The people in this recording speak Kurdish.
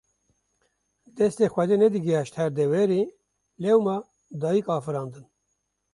Destê Xwedê nedigihaşt her deverê, lewma dayîk afirandin.